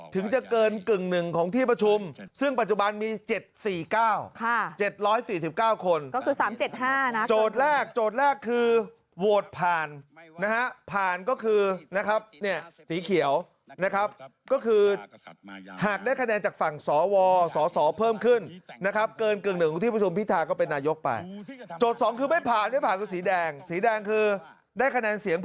ถึงจะเกินกึ่งหนึ่งของที่ประชุมซึ่งปัจจุบันมี๗๔๙๗๔๙คนก็คือ๓๗๕นะโจทย์แรกโจทย์แรกคือโหวตผ่านนะฮะผ่านก็คือนะครับเนี่ยสีเขียวนะครับก็คือหากได้คะแนนจากฝั่งสวสสเพิ่มขึ้นนะครับเกินกึ่งหนึ่งของที่ประชุมพิธาก็เป็นนายกไปโจทย์๒คือไม่ผ่านไม่ผ่านคือสีแดงสีแดงคือได้คะแนนเสียง